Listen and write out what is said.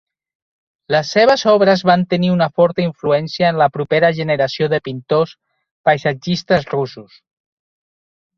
Les seves obres van tenir una forta influència en la propera generació de pintors paisatgistes russos.